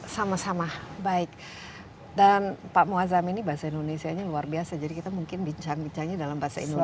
sama sama baik dan pak muazzam ini bahasa indonesia nya luar biasa jadi kita mungkin bincang bincangnya dalam bahasa indonesia